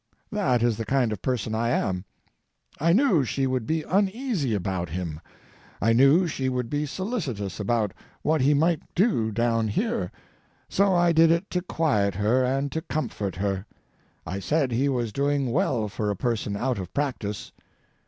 That is the kind of person I am. I knew she would be uneasy about him. I knew she would be solicitous about what he might do down here, so I did it to quiet her and to comfort her. I said he was doing well for a person out of practice.